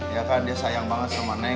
ya kan dia sayang banget sama nei